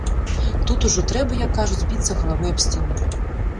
Тут ужо трэба, як кажуць, біцца галавой аб сцяну.